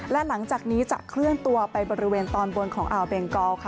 และหลังจากนี้จะเคลื่อนตัวไปบริเวณตอนบนของอ่าวเบงกอลค่ะ